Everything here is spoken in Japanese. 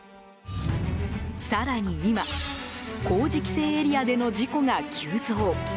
更に今、工事規制エリアでの事故が急増。